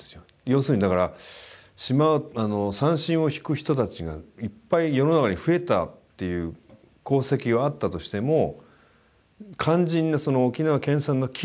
要するにだから三線を弾く人たちがいっぱい世の中に増えたっていう功績はあったとしても肝心なその沖縄県産の木